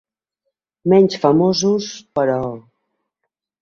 Menys famosos, però.